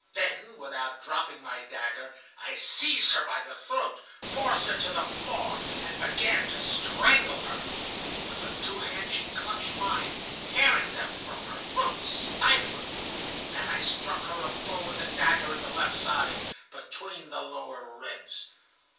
Then, without dropping my dagger, I seized her by the throat, forced her to the floor, and began to strangle her. With her two hands she clutched mine, tearing them from her throat, stifling. Then I struck her a blow with the dagger, in the left side, between the lower ribs.